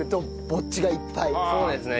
そうですね。